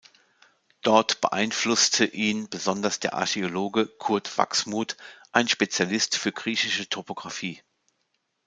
Dort beeinflussten ihn besonders der Archäologe Curt Wachsmuth, ein Spezialist für griechische Topographie.